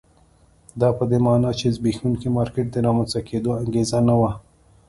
دا په دې معنی چې د زبېښونکي مارکېټ د رامنځته کېدو انګېزه نه وه.